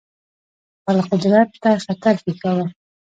خپل قدرت ته خطر پېښاوه.